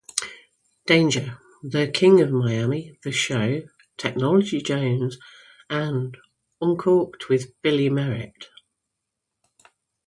Danger", "The King of Miami", "The Show", "Technology Jones", and "Uncorked with Billy Merritt".